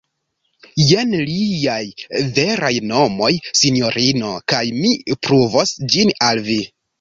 jen liaj veraj nomoj, sinjorino, kaj mi pruvos ĝin al vi.